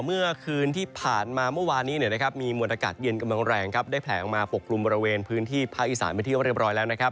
เมื่อคืนที่ผ่านมาเมื่อวานนี้มีมวลอากาศเย็นกำลังแรงครับได้แผลออกมาปกกลุ่มบริเวณพื้นที่ภาคอีสานไปที่เรียบร้อยแล้วนะครับ